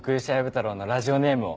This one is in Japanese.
太郎のラジオネームを。